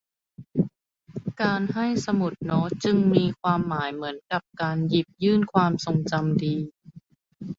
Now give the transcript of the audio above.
การให้สมุดโน้ตจึงมีความหมายเหมือนกับการหยิบยื่นความทรงจำดี